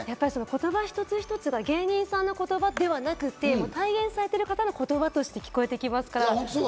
言葉一つ一つが芸人さんの言葉ではなく体現されている方の言葉として聞こえてきます。